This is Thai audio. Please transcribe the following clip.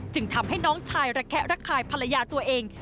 ทำให้น้องชายระแคะระคายภรรยาตัวเอง